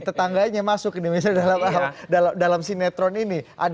tetangganya masuk nih misalnya dalam sinetron ini